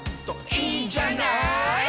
「いいんじゃない」